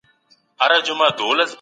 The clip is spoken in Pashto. مرتد د خپل عمل سزا ویني.